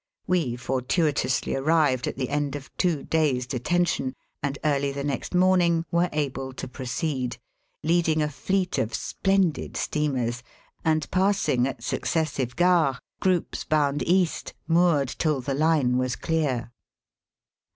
We fortuitously arrived at the end of two days' detention, and early the next morning were able to proceed, leading a fleet of splendid steamers, and passing at successive gares groups bound East, moored till the line was clear.